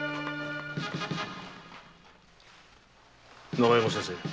永山先生